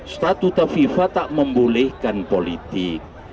statuta fifa tak membolehkan politik